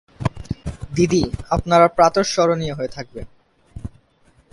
দিদি, আপনারা প্রাতঃস্মরণীয় হয়ে থাকবেন।